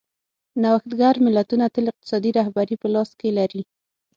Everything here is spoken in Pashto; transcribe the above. نوښتګر ملتونه تل اقتصادي رهبري په لاس کې لري.